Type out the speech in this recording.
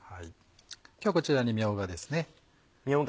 今日こちらにみょうがですね。